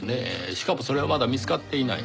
しかもそれはまだ見つかっていない。